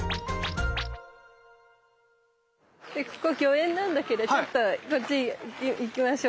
ここ御苑なんだけどちょっとこっち行きましょう。